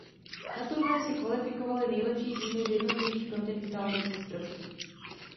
Na turnaj se kvalifikovaly nejlepší týmy z jednotlivých kontinentálních mistrovství.